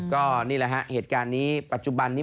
ก็นี่แหละฮะเหตุการณ์นี้ปัจจุบันนี้